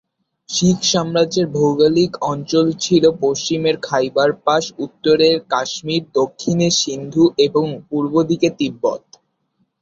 শিখ সাম্রাজ্যের ভৌগোলিক অঞ্চল ছিল পশ্চিমে খাইবার পাস, উত্তরে কাশ্মীর, দক্ষিণে সিন্ধু এবং পূর্বদিকে তিব্বত।